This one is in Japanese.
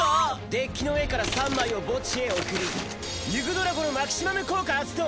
デッキの上から３枚を墓地へ送りユグドラゴのマキシマム効果発動！